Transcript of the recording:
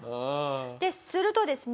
するとですね。